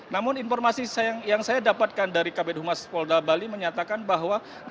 namun informasi yang saya dapatkan dari kabinet humas polda bali menyatakan bahwa